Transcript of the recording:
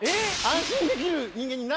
安心できる人間に。